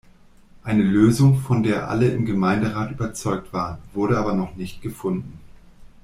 Eine Lösung, von der alle im Gemeinderat überzeugt waren, wurde aber noch nicht gefunden.